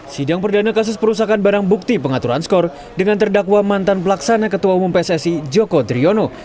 sidang perdana kasus perusakan barang bukti pengaturan skor dengan terdakwa mantan pelaksana ketua umum pssi joko driono